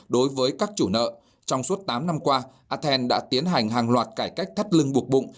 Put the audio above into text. đối với các chủ nợ trong suốt tám năm qua athens đã tiến hành hàng loạt cải cách thắt lưng buộc bụng